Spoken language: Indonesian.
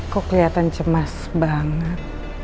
kok kelihatan cemas banget